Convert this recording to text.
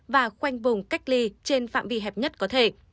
và khoanh vùng cách ly trên phạm vi hẹp nhất có thể